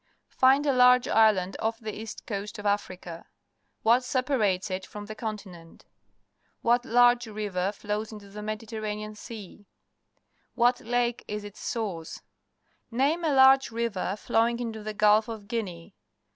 Find a large island off the east coast of .Africa. What separates it from the continent? WTiat large river flows into the JNIediterranean Sea? What lake is its source? Name a large river flowing into the Gulf of Guinea.